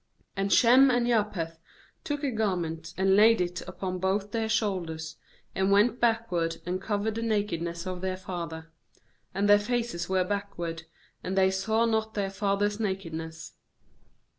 KAnd Shem and Japheth took a garment, and laid it upon both their shoulders, and went backward, and covered the nakedness of then: father; and their faces were backward, and they saw not their father's nakedness.